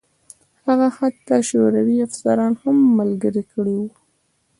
هغه حتی شوروي افسران هم ملګري کړي وو